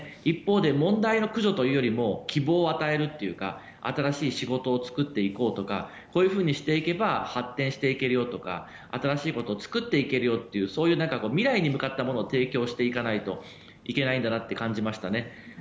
一方で問題の駆除というよりも希望を与えるというか新しい仕事を作っていこうとかこういうふうにしていけば発展していけるよとか新しいことを作っていけるよという未来に向かったものを提供していかないといけないんだなと感じました。